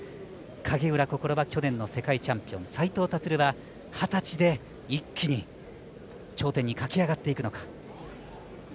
影浦心は去年の世界チャンピオン斉藤立は二十歳で一気に頂点に駆け上がっていくのか。